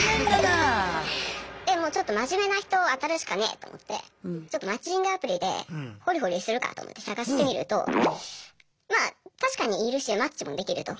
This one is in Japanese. でもうちょっと真面目な人を当たるしかねぇと思ってちょっとマッチングアプリで掘り掘りするかと思って探してみるとまあ確かにいるしマッチもできると。